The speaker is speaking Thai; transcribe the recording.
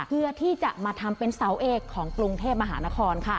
เพื่อที่จะมาทำเป็นเสาเอกของกรุงเทพมหานครค่ะ